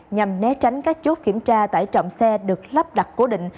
nhằm né tránh các chốt kiểm tra tải trọng xe được lắp đặt cố định